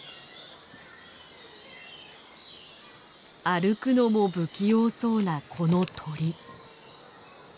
歩くのも不器用そうなこの鳥。